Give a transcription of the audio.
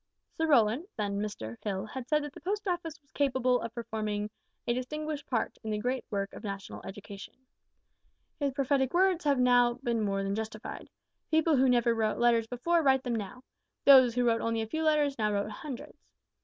"Sir Rowland then Mr Hill had said that the Post Office was `capable of performing a distinguished part in the great work of national education.' His prophetic words have been more than justified. People who never wrote letters before write them now. Those who wrote only a few letters now write hundreds.